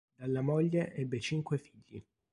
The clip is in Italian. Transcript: Dalla moglie ebbe cinque figli.